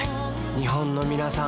日本のみなさん